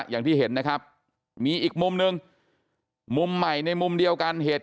อย่างที่เห็นนะครับมีอีกมุมหนึ่งมุมใหม่ในมุมเดียวกันเหตุ